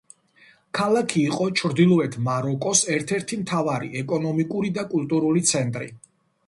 ქალაქი იყო ჩრდილოეთ მაროკოს ერთ-ერთი მთავარი ეკონომიკური და კულტურული ცენტრი.